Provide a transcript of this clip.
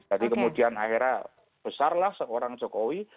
jadi kemudian akhirnya besarlah seorang jokowi